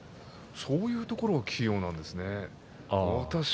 そういうところは器用なんですよね。